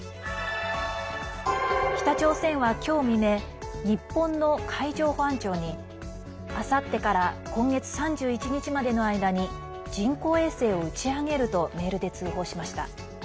北朝鮮は今日未明日本の海上保安庁にあさってから今月３１日までの間に人工衛星を打ち上げるとメールで通報しました。